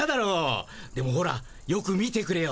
でもほらよく見てくれよ。